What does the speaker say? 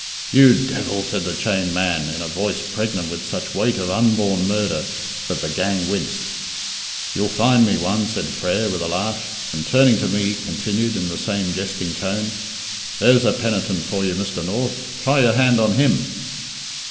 "You Devil!" said the chained man, in a voice pregnant with such weight of unborn murder, that the gang winced. "You'll find me one," said Frere, with a laugh; and, turning to me, continued, in the same jesting tone, "There's a penitent for you, Mr. North try your hand on him."